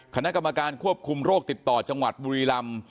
คณะกรรมการควบคุมโรคติดต่อจังหวัดบุรีลำ